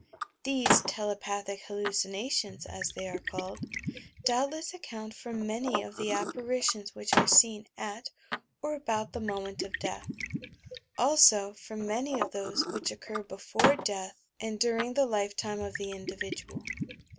These "telepathic hallucinations," as they are called, doubtless account for many of the apparitions which are seen at or about the moment of death; also for many of those which occur before death and during the life 238 YOUR PSYCHIC POWERS time of the individual.